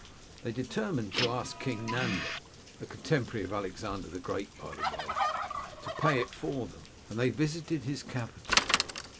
They determined to ask King Nanda — a contemporary of Alexander the Great, by the way — to pay it for them, and they visited his capital.